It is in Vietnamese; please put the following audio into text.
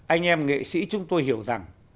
anh em nghệ sĩ chúng tôi hiểu rằng